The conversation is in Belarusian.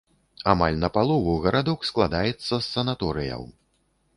Амаль напалову гарадок складаецца з санаторыяў.